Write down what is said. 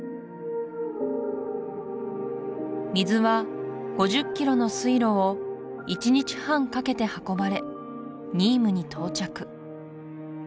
水は５０ｋｍの水路を１日半かけて運ばれニームに到着